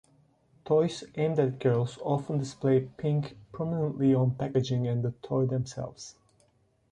Toys aimed at girls often display pink prominently on packaging and the toy themselves.